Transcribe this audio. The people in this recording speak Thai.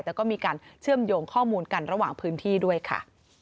แต่ก็มีการเชื่อมโยงข้อมูลกันระหว่างพื้นที่ด้วยค่ะ